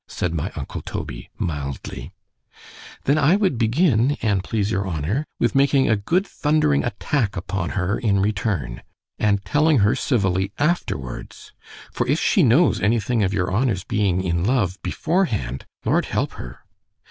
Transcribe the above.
_ said my uncle Toby, mildly—— —Then I would begin, an' please your honour, with making a good thundering attack upon her, in return—and telling her civilly afterwards—for if she knows any thing of your honour's being in love, before hand——L—d help her!